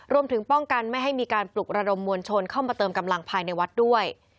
รวมถึงป้องกันไม่ให้มีการปลุกระดมมวลชนเข้ามาเติมกำลังภายในวัดด้วย